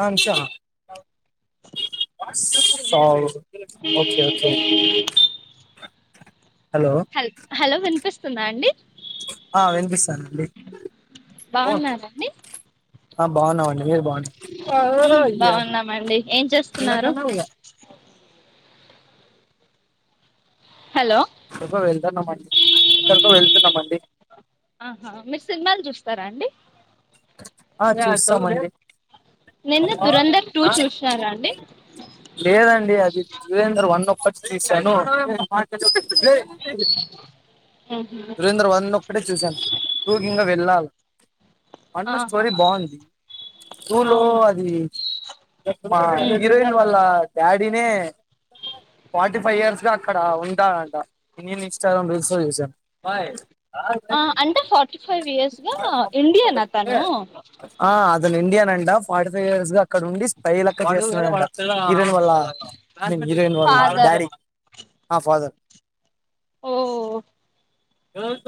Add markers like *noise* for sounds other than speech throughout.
అ అంష sir okay okay hello hello వినిపిస్తుందా అండి ఆ వినిపిస్తాందండి బాగున్నారండి ఆ బాగున్నామండి మీరు బాగున్నారా ఉమ్ బాగున్నామండి ఏం చేస్తున్నారు హలో ఎక్క వెళ్తున్నామండి ఎక్కడికో వెళ్తున్నామండి ఆహా మీరు సినిమాలు చూస్తారా అండి ఆ చూస్తాం నిన్న దురంధర్ టూ చూసినారా అండి లేదండి అది దురంధర్ వన్ ఒక్కటి చూశాను ఆ దురంధర్ వన్ ఒక్కటే చూశాను, టూ కింకా వెళ్ళాలి వన్ ఆహా స్టోరీ బాగుంది *unintelligible* లో అవునా అది ఉమ్ హీరోయిన్ వా ళ్ళ డాడినే ఫార్టీ ఫైవ్ ఇయర్స్ గా అక్కడ ఉంటాడంట నేను ఇన్స్టాగ్రామ్ రీల్స్ లో చూశాను *unintelligible* ఆ అంటే ఫార్టీ ఫైవ్ ఇయర్స్ గా ఇండియన్ నా అతను ఆ అతను ఇండియన్ అంట ఫార్టీ ఫైవ్ ఇయర్స్ గా అక్కడ ఉండి *inaudible* హీరోయిన్ వాళ్ళ హీరోయిన్ వాళ్ళ నాన్న ఫాదర్ డాడి ఆ ఫాదర్ ఓ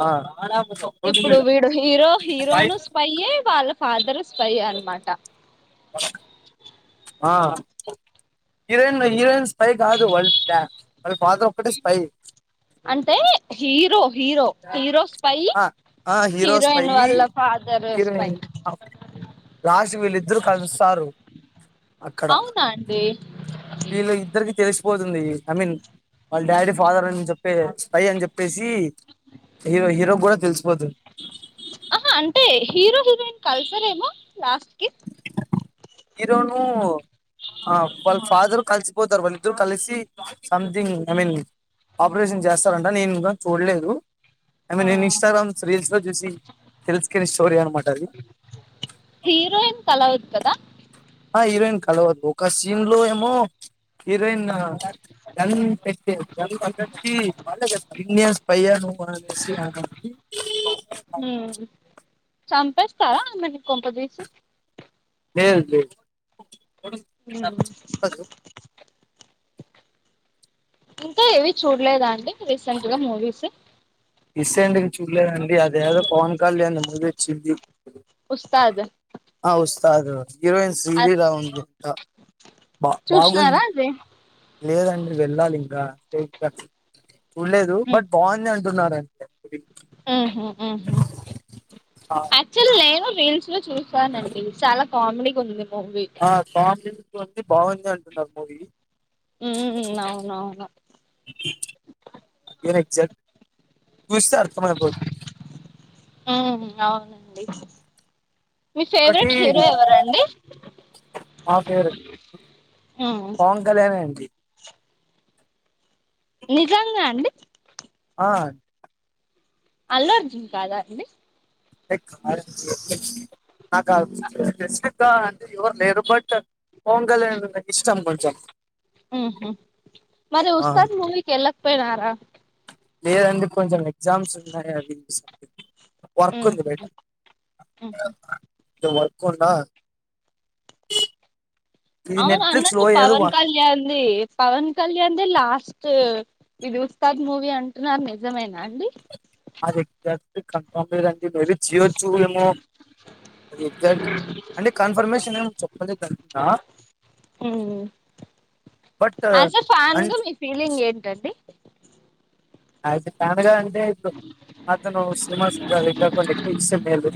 ఆ ఇప్పుడు వీడు హీరో హీరోను స్పైయే వాళ్ళ ఫాదరు స్పైయే అనమాట వ ఆ హీరోయిన్ హీరోయిన్ స్పై కాదు వాళ్ డా వాళ్ళ ఫాదర్ ఒక్కటే స్పై అంటే హీరో హీరో హీరో స్పై ఆ ఆ హీరో స్పై హీరోయిన్ వాళ్ళ ఫాదర్ స్పై హీరోయిన్ లాస్ట్ కు వీళ్ళిద్దరు కలుస్తారు అక్కడ అవునా అండి వీళ్ళు ఇద్దరికి తెలిసిపోతుంది జమీన్ వాళ్ళ డాడీ ఫాదర్ అని చెప్పే స్పై అని చెప్పేసి తెలిస్పోతుంది ఆహా అంటే హీరో హీరోయిన్ కల్సరేమో లాస్ట్ కి ఇరోను ఆ వాళ్ళ ఫాదర్ కలిసిపోతారు వాళ్ళిద్దరు కలిసి సంథింగ్ ఐ మీన్ ఆపరేషన్ చేస్తారంట నేను ఇంకా చూడలేదు ఐ ఆ మీన్ నేను ఇన్స్టాగ్రామ్ రీల్స్ లో చూసి తెలుసుకుని స్టోరీ అనమాట అది హీరోయిన్ తలవద్ కదా ఆ హీరోయిన్ కలవద్దు ఒక సీన్ లో ఏమో హిరైన్ గ పె గ అ విన్యాస్ పయ ను సి అ చంపేస్తారా ఆమెని కొంపదీసి లేదు లేదు ఇంకా ఏవి చూడలేదా అండి రీసెంట్ గా మూవీస్ రీసెంట్గ చూడలేదండి అదేదో పవన్ కళ్యాణ్ది మూవీ వచ్చింది ఉస్తాద్ కాదు హీరోయిన్స్ అది హీరోల ఉంది అ బా బాగుంది చూసినారా చ అది లేదండి వెళ్ళాలి ఇంక సేఫ్ గా చూడలేదు బట్ బాగుంది అంటున్నారండీ ఆహా ఆహా ఆ అక్టువల్లీ నేను కూడా రైల్స్ లో చూస్తూ సానండి చాలా కామెడీగుంది ఆ బా బాగుంది బాగుంది అంటున్నారు మూవీ ఉ అవునవును మీరు ఎగ్జాట్ చూస్తే అర్థం అయిపోతది ఆ అవునండి మీ ఒకటి ఫేవరెట్ హీరో ఎవరండి మా ఫేవరెట్ ఉమ్ పవన్ కళ్యాణే అండి నిజంగా అండి ఆ అల్లుఅర్జున్ కాద అండి క నాకు ఆన్ స్పెసిఫిక్ గా అంటే ఎవరు లేరు బట్ పవన్ కళ్యాణ్ అంటే మరి ఆ ఉత్సాద్ మూవీకి వెళ్లకపోయారా లేదండి కొంచెం ఎగ్జామ్స్ ఉన్నాయండీ ఉమ్ ఉ వర్కున్నా కి అవును అన్నట్టు పవన్ కళ్యాణ్దిి పవన్ కళ్యాణ్దిి లాస్ట్ ఇది ఉస్తాద్ మూవీ అంటున్నారు నిజమేనా అండి అది ఎగ్జాక్ట్ కన్ఫామ్ లేదండి మేబి చేయచ్చు ఏమో అది ఎగ్జాక్ట్ అంటే కన్ఫర్మేషన్ ఏమి చెప్పలేదు అనుకుంట ఆస్ ఆ ఫాన్ గా అంట్ మీ ఫీలింగ్ ఏంటి ఎస్ అ ఫ్యాన్ గా అంటే అదే అతను సినిమా సిని ఇంకా కొన్నీ ఎక్కువ ఇష్టం లేదు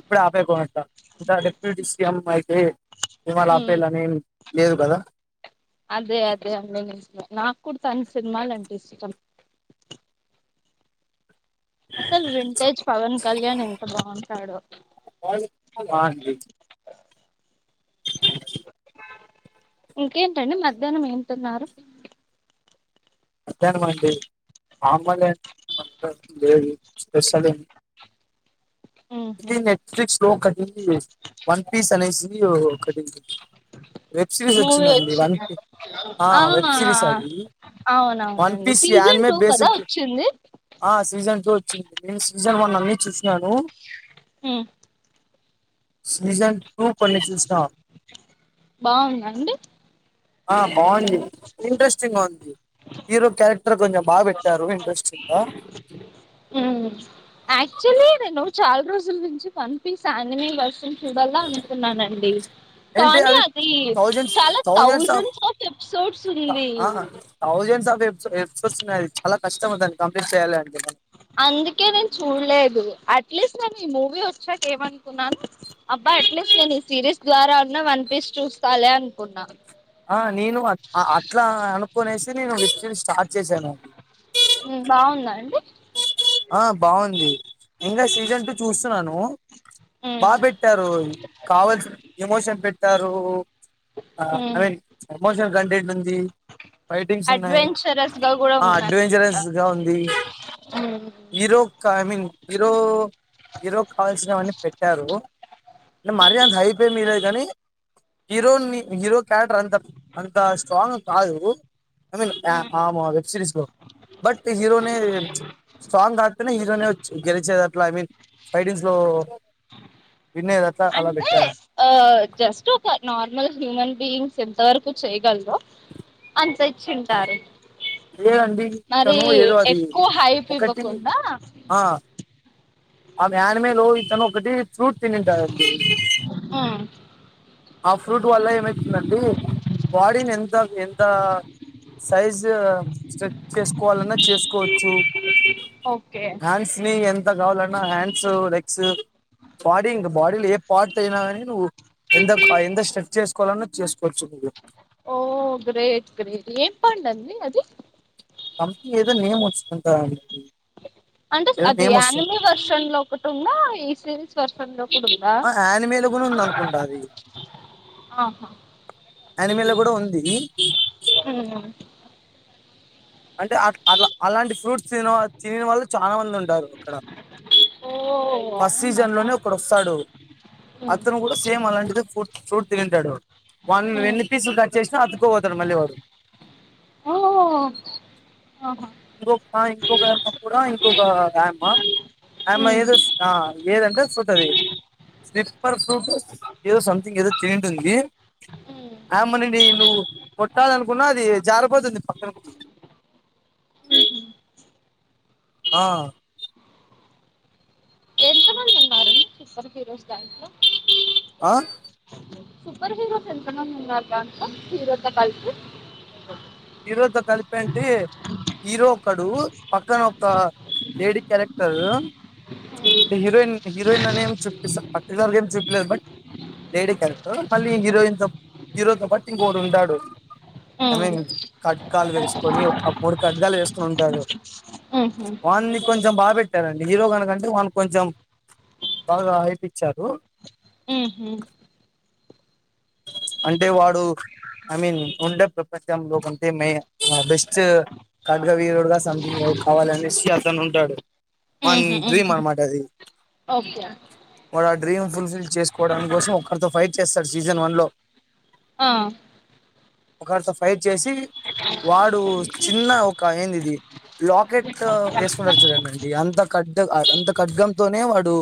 ఇప్పుడే ఆపేయాకంట ఇంకా డిప్యూటీ సిఎం అయితే సినిమాలు ఆపేయాలని లేదు కద అదే అదే అదే అ కుడతాను సినిమాలంటే ఇష్టం అసలు వింటేజ్ పవన్ కళ్యాణ్ ఎంత బాగుంటాడు బాగుంది ఇంకేంటండి మధ్యాహ్నం ఏం తిన్నారు మధ్యాహ్నమండి అమ్మాలి అండ్ లేే వస అ ఇది నెట్ఫ్లిక్స్ లో కటింగ్ వన్ పీస్ అనేసి కటింగ్ వెబ్ సిరీస్ మూవీ వచ్చిందండి వన్ వచ్చిందా కి ఆ వెబ్ సిరీస్ అది వన్ అవునవునండి పీస్ సీజన్ యనిమే టూ కదా బేస్డ్ *unintelligible* వచ్చింది ఆ సీజన్ జో వచ్చింది. నేను సీజన్ వన్ అన్ని చూసినాను, సీజన్ టూ కొన్ని చూస్తా బాగుందండి ఆ బాగుంది ఇంట్రెస్టింగ్గా ఉంది హీరో క్యారెక్టర్ కొంచెం బాగ పెట్టారు ఇంట్రెస్టింగ్ గా ఉ యాక్చుల్లీ నేను చాలా రోజుల నుంచి పంపిసన్నీ మీబస్సు చూడలా అనుతున్నానండి ఏంటి కానీ అవి అది చాలా థౌజండ్స్ ఆఫ్ ఎపిసోడ్స్ ఉంది తౌజెన్డ్స్ సో ఎర్స్ ఉన్నాయి అలా కస్టమర్ దాన్ని కంప్లీట్ చేయాలి అం *unintelligible* అందుకే నేను చూడలేదు, అట్లీస్ట్ నేను ఈ మూవీ వచ్చాక ఏమనుకున్నాను. అబ్బా అట్లీస్ట్ నేను ఈ సిరీస్ ద్వారా ఉన్న వన్ పీస్ చూస్తాలే, అనుకున్నా ఆ నేను ఆ ఆ అట్లా అనుకునేసి నేను *unintelligible* నేను స్టార్ట్ చేశాను అది బాగుందా అండి ఆ బాగుంది ఇంగా సీజన్ టూ చూస్తున్నాను బాగ్ పెట్టారు కావాల్సి ఎమోషన్ పెట్టారు ఆ ఐ మీన్ ఎమోషనల్ కంటెంట్ ఉంది ఫైటింగ్స్ ఉన్నాయి అడ్వెంచరస్ గా కూడా అడ్వెంచరస్ గా ఉంది ఆ కై మీన్ హీరో హీరో కావాల్సినవన్నీ పెట్టారు అంటే మరీ అంత హై పేమ్ ఇయ్యలేదు కానీ హీరోని హీరో క్యారెక్టర్ అంత అంత స్ట్రాంగ్ కాదు ఐ మీన్ య ఆ మో వెబ్ సిరీస్ లో బట్ హీరోనే సాంగ్ గాకపోయిన హీరోనే వచ్చి గెలిచేదట్లా ఐ మీన్ ఫైటింగ్స్ లో వినేది అట్లా అలా అంటే పెట్టారు ఆ జస్ట్ ఒక నార్మల్ హ్యూమన్ బీయింగ్ స్ ఎంత వరకు చేయగల్రో అంత ఇచ్చింటారు లేదండి మరి ఇతను ఏదో అది ఎక్కువ హైపు ఒకటి ఇవ్వకుండా ఆ ఆమె ఆనీమేలు ఇతను ఒకటి ఫ్రూట్ తినింటా *unintelligible* ఆ ఫ్రూట్ వల్ల ఏమైతుందంటే బాడీని ఎంత ఎ త సైజ్ జ్ స్టేట్స్ చేసుకోవాలన్నా చేసుకోవచ్చు ఓకే హ్యాండ్స్ ని ఎంత గావాలన్నా హ్యాండ్స్ లైక్ క్స్ బాడీ ఇంక బాడీలో ఏ పార్ట్ అయినా గాని నువ్వు ఎంతకు ఎంత స్ట్రచ్చేస్ కోలన్న చేసుకోవచ్చు నువ్వు ఓ గ్రేట్ గ్రేట్ ఏం పండండి అది దాన్కీ ఏదో నేమ్ వచ్చుకుంటా అండి *unintelligible* అంటే స్ అది అనిమి వర్షన్ల్లో ఒకటి ఉంద ఈ సిరీస్ వర్షన్ల్లో కుడుందా ఆ యానిమేలో కూడా ఉంది అనుకుంటా అది ఆహా అనిమిలొ కూడా ఉంది ఉమ్. అంటే అట్టు అట్లా అలాంటి ఫ్రూట్స్ తిన్న వాళ్ళు తినని వాళ్లు చాలా మంది ఉంటారు అక్కడ ఓ ఫస్ట్ అవునా సీజన్ లోనే ఒకడు వస్తాడు ఉమ్. అతను గుడా సేమ్ అలాందే ఫుట్ ఫ్రూట్ తినింటాడు, వాన్ని నువ్వు ఉమ్. ఎన్ని పీసులు కట్ చేసినా! అతుక్కు పోతాడు మళ్ళీ వాడు. ఓ ఆహా ఇంకొ మా ఇంకో కాయమా కూడా ఇంకొక ఆయమ్మా ఆయమ్మ ఏజ్ వస్ ఆ ఏజ్ అంటే సుతది స్ని పర్ ఫూట్ ఏదో సంథింగ్ ఏదో తినింటుంది ఆయమ్మ నిన్ని నువ్వు కొట్టాల అనుకున్నా, అది జారిపోతుంది. పక్కనకి ఆ ఎంత మంది ఉన్నారు సుపర్ హీరోస్ దాంట్లో ఆ సూపర్ హీరోస్ ఎంత మంది ఉన్నార్ అంత హీరో తో కలిసి హీరోతో కలిపి అంటే హీరో ఒకడు పక్కన ఒక లేడీ క్యారెక్టరు అంటే హీరోయిన్ హీరోయిన్ అనిం చూపిస్తారు పర్టికులర్ గా ఏం చూపలేదు బట్ లేడి క్యారెక్టర్ మళ్లీ హీరోయిన్ హీరో తో పాటు ఇంకొకడు ఉంటాడు హ కడ్గాలు వేసుకొని ఒక మూడు కట్గాలు వేసుకని ఉంటారు ఉహు వాన్ని కొంచెం బా పెట్ హీరో గాని కంటే వనికి కొంచెం బాగ హైప్ ఇచ్చారు హు హు అంటే వాడు ఐ మీన్ ఉండే ప్రపంచ లో కంటే మ బెస్ట్ ఖడ్గ వీరుడు గా సం కావాలనేసి అతను ఉంటాడు వాన్ ఉహు డ్రీమ్ ఉహు అనమాటది ఓకే డ్రీమ్ ఫుల్ఫిల్ చేసుకోవ డం కోసం ఒక్కరితో ఫైట్ చేస్తాడు సీజన్ వన్లో ఆ ఒకరితో ఫైట్ చేసి వాడు చిన్న ఒక ఏందిది లాకెట్ వేసుకున్నారు చూడండి అంత అంత ఖడ్గంతోనే వాడు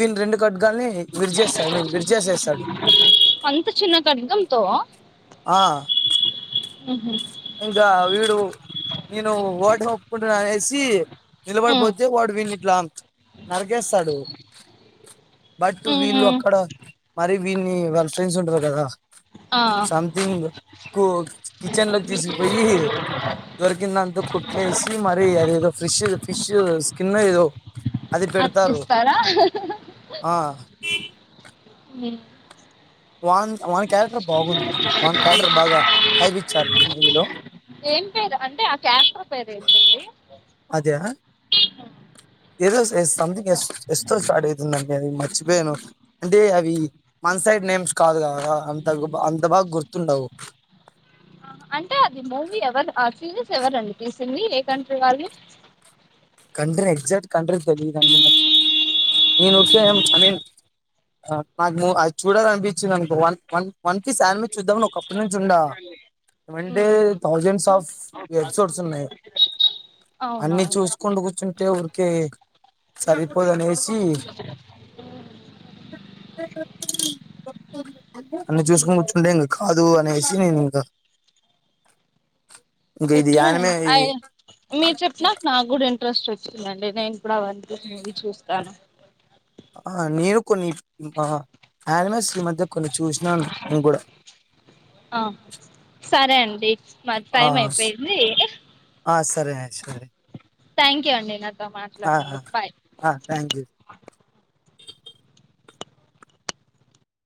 వీని రెండు ఖడ్గ లూనీ విడిచేతడు ఐ మీన్ విడిచేసేస్త అంత చిన్న కడ్గంతో ఆ హు హు ఇంకా వీడు నేను ఓటమి ఒప్పుకుంటన్నా అనేసి ఉమ్ నిలబడిపోతే వాడు వినిట్లా నరకేస్తాడు బట్ వీళ్ళు ఉమ్ అక్కడ మరీ వీళ్ని వాళ్ళ ఫ్రెండ్స్ ఉంటారు కదా ఆ సమ్థింగ్ కు కిచెన్ లో తీసుకుపోయి దరికిం దాంతో కుట్లు ఎసి మరి అదేదో ఫిష్ ఫిష్ స్కిన్ ఏదో అది పెడతారు ఆ హు వాన్ వాన్ క్యారెక్టర్ బాగుంది అడి వాన్ క్యారెక్టర్ బాగా హైపిచ్చారు ఈ మూవీలో ఏం పేరు అంటే ఆ క క్యారెక్టర్ పేరు ఏంటండి అదా ఆ ఏదో సంథింగ్ ఎస్ స్టార్ట్ అవుతుందండి అది మర్చిపోయాను అంటే అవి మనస నేమ్స్ కాదు కదా అంత అంత బాగా గుర్తుండవు అంటే అది మూవీ *unintelligible* ఎవరండి తీసింది ఏ కంట్రీ వాళ్లు కంట్రీ ఎక్స్ట్ కంట్రీ తెలిదండి నాకి నేను *unintelligible* ఐ మీన్ నాకు అది చూడాలి అనిపించింది అనుకో one one one piece sandwich చూద్దామని ఒకప్పటి నుంచి ఉండా ఏమంటే ఉమ్ థౌజండ్స్ ఆఫ్ ఎపిసోడ్స్ ఉన్నాయి అన్ని అవునవును చూసుకుంటూ కూర్చుంటే ఊరికే సరిపోదనేసి అన్ని చూసుకని కూర్చుంటే ఇంక కాదు అనేసి నేను ఇంక *unintelligible* ఇంట్రెస్ట్ వచ్చిందండి నేను ఇప్పుడు అవన్నకనేది చూస్తాను ఆ మీరు కొన్ని *unintelligible* యానిమెస్ ఈ మధ్య కొన్ని చూసినాను నేను కూడ ఆ సరే అండి మా ఆ టైం అయిపోయింది ఆ సరే అ సరే థ్యాంక్ యూ అండి నాతో ఆ మాట్లాడంనందు కు బాయ్ ఆ థ్యాంక్ యూ